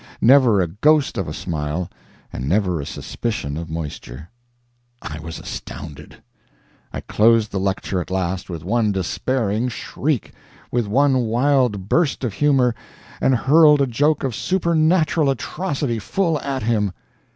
Never a ghost of a smile, and never a suspicion of moisture! I was astounded. I closed the lecture at last with one despairing shriek with one wild burst of humor, and hurled a joke of supernatural atrocity full at him!